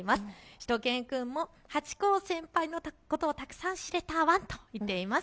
しゅと犬くんもハチ公先輩のことをたくさん知れたワンと言っています。